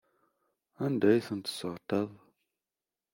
Anda ay tent-tesseɣtaḍ?